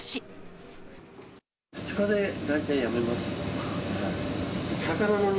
２日で大体辞めました。